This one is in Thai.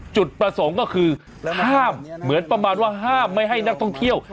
จุดประสงค์ก็คือห้ามเหมือนประมาณว่าห้ามไม่ให้นักท่องเที่ยว